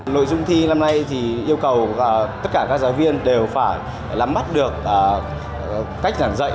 nội dung thi năm nay thì yêu cầu và tất cả các giáo viên đều phải lắm mắt được cách giảng dạy